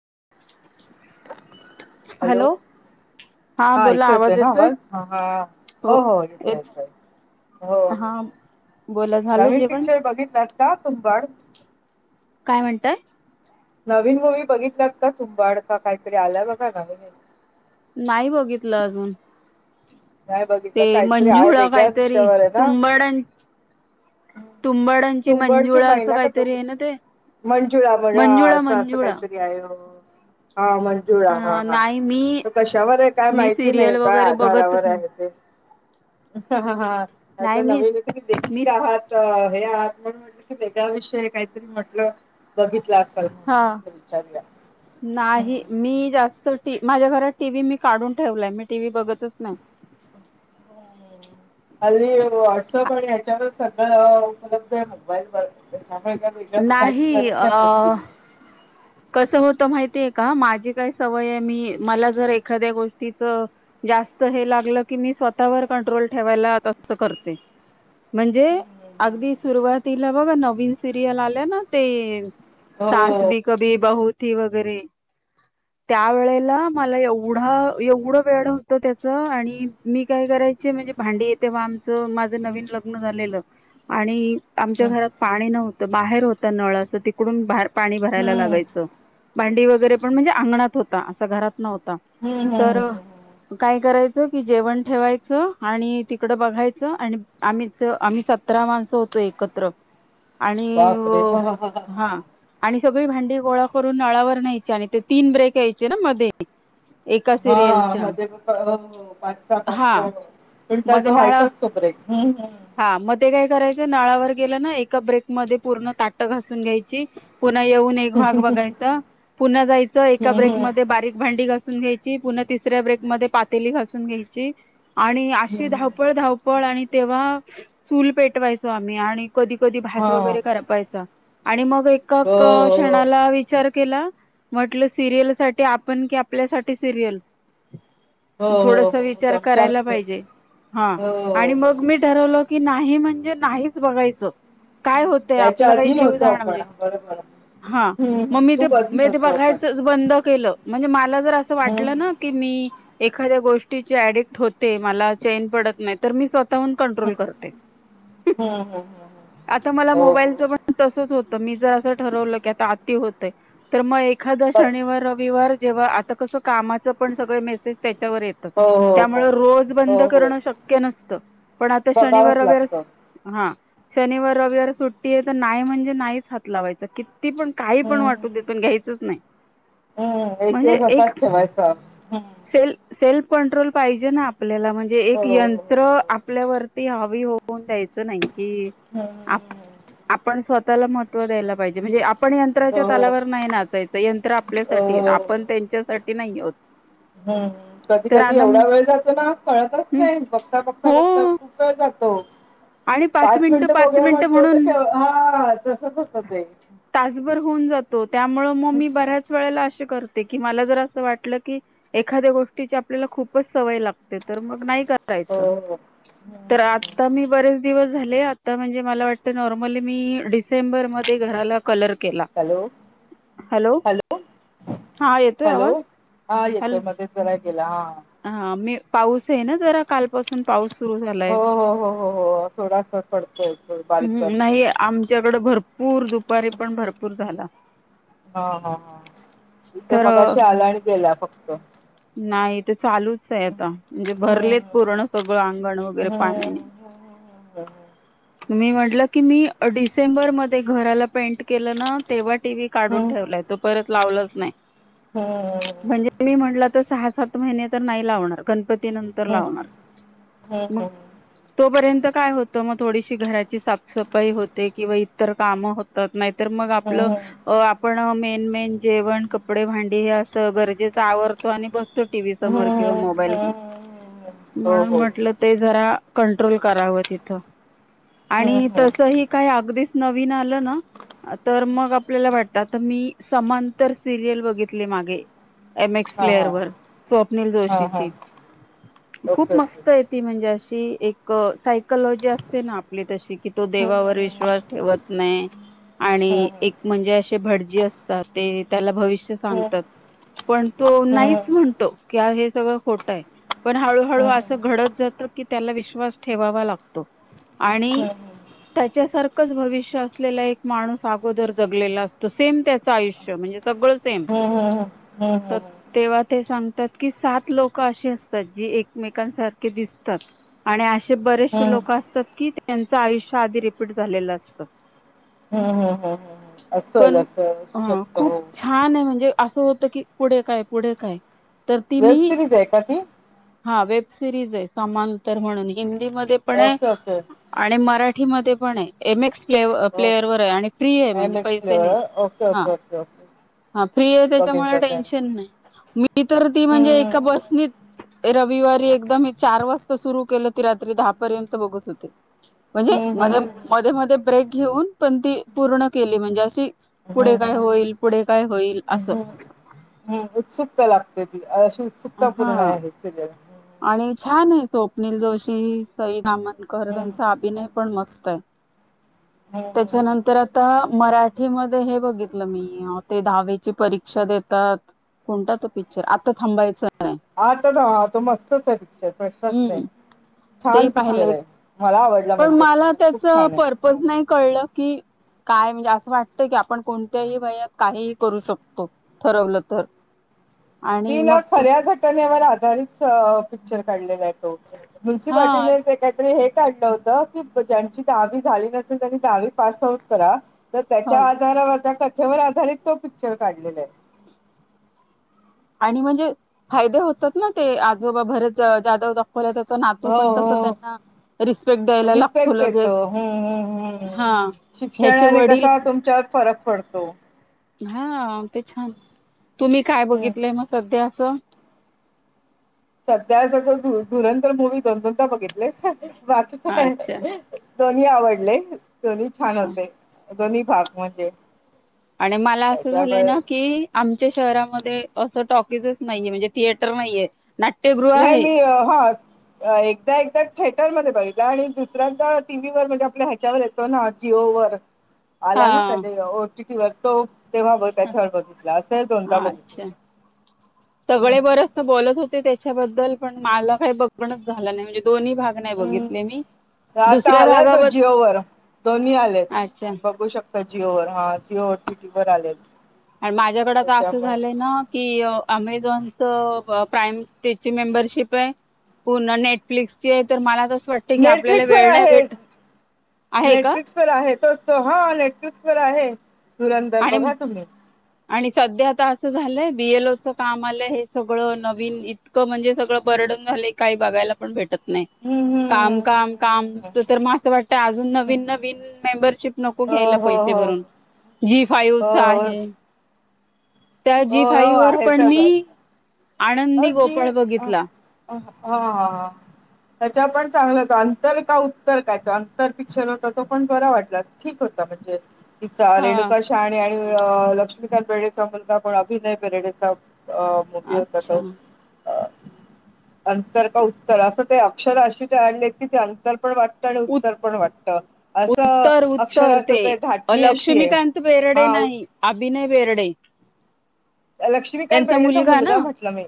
[unintelligible] Hello हा हां बोला ऐकू येतोय आवाज ना बस ह हो -हो येत येतय. हो हा -हो बोला झालं नवीन जेवण पिक्चर बघितलात का तुमबड - काय म्हणताय? नवीन मूवी बघितलात का तुंबा अडख काहीतरी आलाय बघा नवीन - नाही बघितलं अजून- नाही ते बघितलं काहीतरी आहे मंजुळा वेगळ्या काहीतरी विषयावर आहे ना तुंबाड. तुंबाडांची मंजुळा असं काहीतरी आहे ना ते मंचुळा मगा मंजुळा असं असं मंजुळा काहीतरी आहे. हा मंजुळा हा अ नाही मी हा कशावर आहे काय मी माहिती सिरियल नाही काय वगैरे बघतच आधारावर नाही आहे ते ह- ह नाही नवीन मीस होत की लेखिका मीस आहात हे आहात - म्हट की वेगळा विषय काहीतरी म्हटलं बघितलं अस. हा हम्म. नाही मी जास्त - माझ्या घरात टीव्ही मी काढून ठेवलाय मी टीव्ही बघतच नाही. [unintelligible] हल्ली व्हॉट्सअप आणि या्याच्यावरच सगळं उपलब्ध आहे मोबाईल वर - [unintelligible] कस होत माहितीय का माझी काय सवय आहे मी मला जर एखाद्या गोष्टीच - जास्त हे लागलं की मी स्वतःवर कंट्रोल ठेवायला असं करते. [inaudible] म्हणजे अगदी सुरुवातीला बघा नवीन सिरियल आल्या ना ते! हो सास भी कभी बहुती वगैरे! त्या वेळेला मला एवढा एवढं वेड होत त्याच आणि मी काय करा! म्हणजे भांडी तेव्हा आमचं माझं नवीन लग्न झालेलं आणि - आमच्या हम्म घरात पाणी नव्हतं बाहेर होत नळाचं तिकडून बाहेर पाणी भरायला हम्म लागायचं. भांडी वगैरे पण म्हणजे अंगणात होता असा घरात नव्हता हम्म हम्म, हम्म, तर हम्म. काय - करायच की जेवण ठेवायचं आणि तिकड बघायचं आणि आम्हीच आम्ही सतरा माणस - कस होतय एकत्र आणि बापरे हा हा हा हा हां आणि हां सगळी भांडी गोळा करून नळावर न्यायची आणि ते तीन ब्रेक यायचे ना मध्ये! एका हा सिरियलच्या मध्ये पाच सहा- पाच हा सहा! पण त्याचा मध्ये नाळा व्हायचा असतो ब्रेक हम्म -हम्म हा मग ते काय करायच नाळावर गेलं ना एका ब्रेक मध्ये पूर्ण ताटं घासून घ्यायची. पुन्हा येऊन एक भाग बघायचं पुन्हा जायचं एका हम्म हम्म ब्रेकमध्येध्ये बारीक भांडी घासून - घ्यायची पुन्हा तिसऱ्या ब्रेक मध्ये पातेली घासून घ्यायची! आणि अशी हम्म. धावपळ- धावपळ आणि तेव्हा चूल पेटवायचो आम्ही आणि - कधी- कधी हा. भात वगैरे करपायच आणि मग - हो, क हो, क्षणाला विचार. केला म्हटल सिरियल साठी आपण की आपल्यासाठी सिरीयल. हो, हो, हो. थोडस हो, विचार आमच्या करायला हो, पाहिजे. हा हो. आणि मग हो. मी ठरवलं. कि नाही म्हणजे नाहीच बघायचं काय होतंय त्याच्या आपला काही अधीन जीव होतो जाणं. आपण बरोबर. हा हं, म हं. मी ते, खूप अधीन मी ते होतो आपण. बघायच बंद केलं म्हणजे मला जर अस हं, वाटलं ना की मी. की एखाद्या गोष्टीची अडॅक्ट मला चैन पडत नाही तर मी स्वतः. स्वतः हून हं, कंट्रोल करते. हं, हं, हं. आता मला हो, हो. मोबाईलच पण तसंच होते. तर मी जर असं ठरवलं की अती होतय तर मग एखादा शनिवार, रविवार. जेव्हा आता कसं. कामाच पण सगळ मेसेज त्याच्यावर येत. हो, हो, हो. त्यामुळे रोज हो, बंद हो. करणं शक्य नसतं. पण आता शनिवार बघावंच वगरे लागतं. हा. शनिवार रविवार सुट्टी आहे तर नाही म्हणजे नाहीच हात लावायचं क कीती पण काही पण हं, वाटू दे पण घ्यायचच नाही हं. एक म्हणजे दिवस एक असाच ठेवायचा. हं. सेल. सेल्फ कंट्रोल पाहिजे ना आपल्याला म्हणजे हो, एक हो, यंत्र हो, हो. आपल्यावर. त हवी होऊन द्यायच नाही कि हं. आपण स्वतःला महत्त्व द्यायला. म्हणजे आपण हो, यंत्राच्या हो. तलावर नाही नाचायचं यंत्र आपल्यासाठी आहेत. हो, आपण त्यांच्यासाठी. ते नाही. हम्म कधी तर कधी आदम एवढा वेळ जातो ना कळतच हं नाही बघता बघता बघता हो खूप वेळ जातो. हो. आणि पाच मिनिटं मिनट पाच बघूया मिनिटं म्हणतो म्हणून हा तसच. तासभर होऊन जातो. त्यामुळे मी हो, बऱ्याच वेळेला. अशी करते की मला जर असं वाटलं की एखादी गोष्टीचे आपल्याला खूपच सवय लागते तर मग नाही. हो. हं, हं, तर हं. आता मी बरेच. दिवस झाले आता म्हणजे मला वाटत नॉर्मली मी डिसेंबर मध्ये घराला. कलर केला. हॅलो, हॅलो हा येतोय आवाज? हा हॅलो येतो मध्ये जरा गेला हा. हा मी पाऊस आहे ना जरा कालपासून पाऊस. सुरू हो झालाय. हो हो हो हो थोडासा पडतोय इथ बारीक बारीक कड भरपूर दुपारी पण भरपूर झाला. हा हा हा तथे तर मगाशी आला आणि गेला फक्त. नाही इथ चालूच आहे आता. म्हणजे भरलेत हं, पूर्ण सगळं अंगण वगैरे पाण्याने. बर. मी म्हटलं की मी डिसेंबर मध्ये घराला पेंट केलं ना तेव्हा. टीव्ही हं, काढून हं, ठेवलाय तो परत लावलाच नाही. हं, हं, हं, म्हणजे मी म्हणलं. सहा, सात महिने तर नाही लावणार गणपती. नंतर हं, हं, हं, हं, लावणार हं. तोपर्यंत काय होते. तर मग थोडीशी घराची साफसफाई होते. किंवा इतर कामं होतात नाही तर मग आपलं. हम्म पण मेन मेन जेवण, कपडे, भांडी हे असं गरजेच आवरतो आणि बसतो. टीव्ही हम्म समोर किंवा मोबाईल हम्म घेऊन. हम्म हम्म हम्म हम्म हो म्हणून हो म्हटलं ते जरा कंट्रोल करावं तिथं. हम्म आणि हम्म तसही काही अगदीच नवीन आलं ना. तर मग आपल्याला वाटत आता मी समांतर सिरीयल बघित मागे. एक्स हा प्लेअर हा वर स्वप्नील हा हा जोशीची खूप ओके ओके मस्त आहे. ती म्हणजे अशी. एक सायकलॉजी असते ना आपली तशी की तो हम्म देवावर विश्वास ठेवत नाही. हम्म आणि एक म्हणजे असे भटजी असतात ते त्याला भविष्य हम्म सांगतात. पण तो हम्म नाहीच म्हणतो की हे सगळं खोट आहे. पण हळूहळू हम्म असं घडत जात की त्याला विश्वास ठेवावा लागतो. हम्म आणि हम्म त्याच्यासारखंच भविष्य असलेला एक माणूस अगोदर जगलेला असतो. सेम त्याच आयुष्य म्हणे म्हणजे सगळं सेम. हो तर हो हो तेव्हा ते सांगतात की सात लोक असे असतात जे एकमेकांसारखे दिसतात आणि. असे हम्म बरेचसे हम्म लोक असतात की त्यांचं आयुष्य आधी रिपीट झालेलं असतं. हम्म हम्म असल पण असं हा शकत खूप हो छान आहे म्हणजे असं की पुढे काय पुढे काय तर ती वेब मी सिरीज आहे का ती हा वेब सिरीज आहेत समांतर म्हणून हिंदीमध्ये पण आहे ओके ओके आणि मराठीमध्ये पण आहे एम एक्स प्लेयर व आणि फ्री आहे म्हणजे एम एक्स पैसे प्लेवर ओके नाहीत ओके ओके ओके हा फ्री आहे बघेन त्याच्यामुळे बघेन टेन्शन नाही मी तर ती म्हणजे हम्म एका बसनी रविवारी एकदम चार वाजता सुरू केलं की रात्री दहापर्यंत बघत होते म्हणजे हम्म म हम्म मध्ये हम्म मध्ये ब्रेक घेऊन पण ती पूर्ण केली म्हणजे अशी पुढे हम्म काय हम्म होईल पुढे काय होईल असं ह उत्सुकता लागते ती अशी उत्सुकता पूर्ण हा आहे ते [inaudible] आणि छान आहे स्वप्नीिल जोशी सईद आमनकर हम्म त्यांचा हम्म अभिनय पण मस्त हम्म त्याच्यानंतर हम्म आता मरा ठी मध्ये हे बघितलं मी ते दहावीची परीक्षा देतात कोणता त पिक्चर आता थांबायचं नाही आता ना तो मस्तच आहे [inaudible] प्रश्नच नाही हम्म ते छान पिक्चर पाहिलं आहे मला आवडला पण म्हणजे मला मूवी खूप त्याच छान आहे पर्पज नाही कळलं की काय म्हणजे असं वाटतं की आपण कोणत्याही वयात काहीही करू शकतो ठरवलं तर आणि ति ना मग ते खऱ्या घटनेवर आधारित पिक्चर काढलेला आहे हा म्यन्सिपालिटी म ते कायतरी हे लं होत की ज्यांची दहावी झाली नसेल त्यांनी दहावी पास आउट करा तर त्याच्या आधारावर त्या कथेवर आधारित तो पिक्चर काढलेला आहे आणि म्हणजे फायदे होतात ना ते आजोबा भरत जाधव डॉक् परत त्याचा नातू हो पण कस हो त्यांना रिस्पेक्ट द्यायला लागतो रिस्पेक्ट लगेच येतो हम्म हम्म हम्म. हा ह्याचे शिक्षणाने वडील कसा तुमच्यात फरक पडतो हा ते छान तुम्ही काय हम्म बघितलंय मग सध्या स सध्या सगळंधुरंदर मुवी बदल बघितले बाकीचे काय अच्छा दोन्ही आवडले दोन्ही छान हा होते दोन्ही भाग म्हणजे आणि मला असं झालं त्याच्यामुळे ना की आमच्या शहरामध्ये अस टॉक नाहीे म्हणजे थिएटर नाहीये नाट्यगृह नाही आहे मी हा एकदा एकदा ठे र मध्ये बघितला आणि दुसऱ्यादा टीव्ही वर म्हणजे आपल्या ह्याच्यावर येतो ना जिओ वर आला ना हा त्या ओ टी टी वर तो तेव्हा ब त्याच्यावर बघितला असे दोनदा बघ अच्छा सगळे बरच बोलत होते त्याच्याबद्दल पण मला काही बघणच झालं नाही म्हणजे दोन्ही भाग नाही हम्म बघितले मी आता दुसऱ्या आलाय तो भागाबद् जिओवरर दोन्ही आले अच्छा बघू शकतोय जिओर हा जिओ ओ टी टी वर आलय आणि माझ्याकडे तर असं झालंय ना की अमेझॉनच प्राइम तेची मेंबरशीप आहे पुन्हा नेटफ्लिक्सची आहे तर मला जसं नेटफ्लिक्स वर आहे आहे का नेटफ्लिक्स वर आहे तोच हा नेटफ्लिक्स वर आहे धूरंदर आणि बघा तुम्ही आणि सध्या आता असं झालंय बीएल ओच काम आलंय हे सगळं नवीन इतकं म्हणजे सगळं बर ड झाले काही बघायला पण भेटत नाही हम्म काम हम्म. काम हम्म कामत तर म असं वाटतं अजून नवीन नवीन मेंबरशिप नको हो घ्यायला हो हो पैजे झी फाईवच हो हो आहे त्या हो जी हो फाईव्ह वर आहे पण सगळं मी अ आनंदी जी गोपाळ ह बघितला ह ह त्याच्या पण चांगलं हो अंतर का उत्तर काय त अंतर पिक्चर होता तो पण बरा वाटला ठीक हो म्हणजे तिचा हा रेणुका शहाणे आणि लक्ष्मीकांत बेर्डेचा मुलगा कोण अभिनय बेर्डेचा अ मुगीत अच्छा अ अंतर का उत्तर असं ते अक्षर अशी ते आणलेत की ते अंतर पण वाटत आणि उ उत्तर पण वाटतं असं उत्तर उत्तर अक्षराचं ते धाटणी अशी आहे लक्ष्मीकांत बेर्डे हा उत- नाही अभिनय बेर्डे लक्ष्मीकांत त्यांचा बेर्डेचा ना मुलगा म्हटलं मी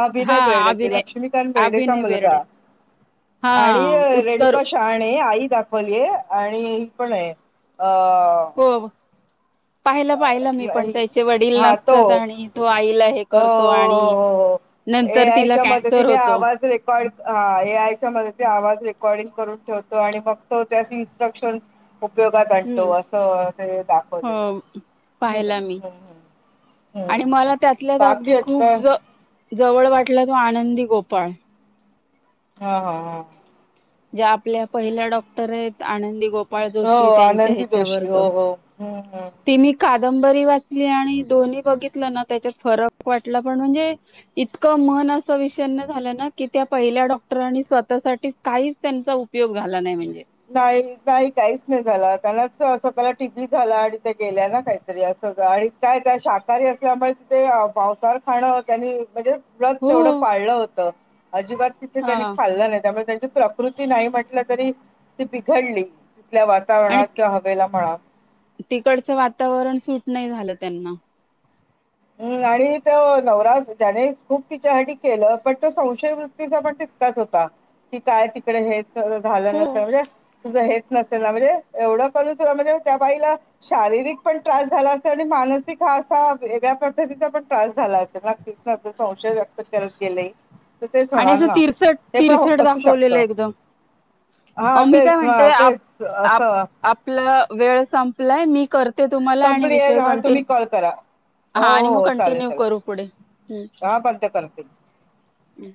अभिनय हा बेर्डे ते अभिनय लक्ष्मीकांत बेर्डेचा अभिनय मुलगा बेर्डे हा आणि उत्तर रेणुका शहाणे आई दाखवलीय आणि ही पण आहे अ हो पाहिलं पाहिलं मी पण नाही त्याचे वडील हा तो नसतात आणि तो आईला हे हो करतो आणि हो हो हो ए नंतर तिला आयच्या कॅन्सर मदतीने होतो आवाज रेकॉर्ड हा ए आयच्या मदती आवाज आवाज रेकॉर्डिंग करून ठेवतो आणि मग तो त्या इन्स्ट्रक्शन उपयोगात आणतो हम्म असं ते दाखवलेलं आहे. हम्म पाहीला मी हम्म हम्म हम्म. आणि मला त्यातल बाकी अगदी आता खूप जवळ वाटला तो आनंदी गोपाळ हा हा हा ज्या आपल्या पहिल्या डॉक्टर आहेत आनंदी गोपाळ गोपाळ जोशी हो त्यांच्या आनंदी ह्यांच्यावर जोशी तो हो हो हम्म हम्म तिनी कादंबरी वाचली आणि दोन्ही बघितलं ना त्याच्यात फरक वाटला पण म्हणजे इतक मन असं विषण्ण झालं ना की त्या पहिल्या डॉक्टरांनी स्वतःसाठीच काहीच त्यांचा उपयोग झाला नाही म्हणजे नाही नाही काहीच नाही झाला त्यांनाच स्वतःला टीबी झाला आणि ते गेल्या ना काहीतरी असं. आणि काय त्या शाकाहारी असल्यामुळे तिथे मांस आहार खाणं त्यांनी म्हणजे व्रत तेवढं हो पाळलं होतं अजिबात तिथे त्यांनी हा खाल्लं नाही त्यामुळे प्रकृती नाही म्हटलं तरी ती बिघडली तिथल्या आणि वातावरणात किंवा हवेला म्हणा तिकडचं वातावरण सूट नाही झालं त्यांना हम् आणि त नवरा ज्याने खूप तिच्यासाठी केलं पण तो संशय वृत्तीचा पण होता की काय तिकडे हे झालं हो नसेल म्हणजे तुझ हे न म्हणजे एवढ कर म्हणजे त्या बाईला शारीरिक पण त्रास झाला असेल आणि मानसिक असा वेगळ्या पद्धतीचा पण त्रास झाला असेल नक्कीच ना संशय व्यक्त करत गेले तर तेच आणि होणार असं ना. तिरसट ते पण हो तिरसट असू दाखवलेलं शकतं. एकदम हां अ मी काय तेच हां म्हणतेय तेच असं आपला वेळ संपलाय मी कर ते तुम्हाला आणि संपली आहे विषय हां तुम्ही कंटिन्यू कॉल करा. हो, हा आणि हो, मग हो, चालेल, कंटिन्यू चालेल. करू पुढे हां बंद करते. हम